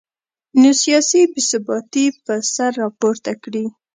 نو سیاسي بې ثباتي به سر راپورته کړي